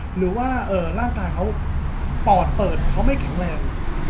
หรือว่าร่างกายเขาปอดเปิดเขาไม่แข็งแรง